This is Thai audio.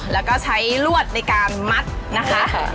แล้วก็ใช้ลวดในการมัดนะคะ